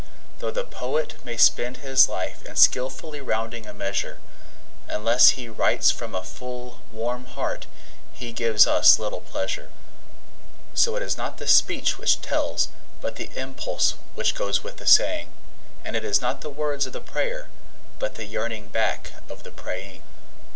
Though the poet may spend his life in skilfully rounding a measure, Unless he writes from a full, warm heart he gives us little pleasure. So it is not the speech which tells, but the impulse which goes with the saying; And it is not the words of the prayer, but the yearning back of the praying.